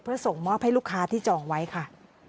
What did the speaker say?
เพื่อส่งมอบให้ลูกค้าที่จองไว้ค่ะ